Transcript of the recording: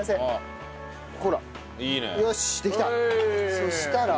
そしたら。